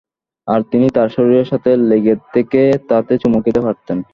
আর তিনি তার শরীরের সাথে লেগে থেকে তাতে চুমু খেতে পারতেন।